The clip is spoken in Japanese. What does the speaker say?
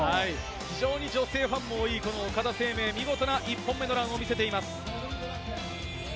非常に女性ファンも多い岡田清明、見事な１本目のランを見せています。